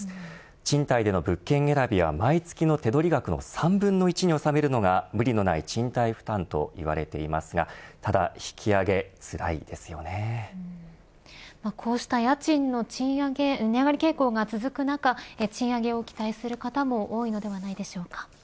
賃貸での物件選びは毎月の手取り額の３分の１に収めるのが、無理のない賃貸負担といわれていますがこうした家賃の賃上げ値上がり傾向が続く中賃上げを期待する方も多いのではないでしょうか。